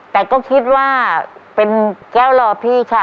แต่ก็คิดว่าเป็นแก้วรอพี่ค่ะ